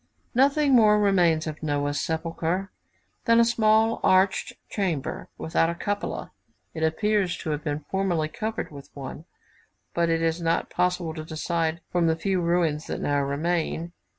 Nothing more remains of Noah's sepulchre than a small arched chamber, without a cupola. It appears to have been formerly covered with one, but it is not possible to decide from the few ruins that now remain.